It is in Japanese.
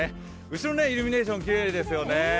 後ろのイルミネーション、きれいですよね。